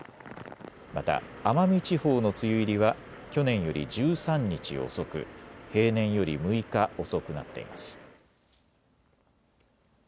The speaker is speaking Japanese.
また奄美地方の梅雨入りは去年より１３日遅く、平年より６日遅くなっています。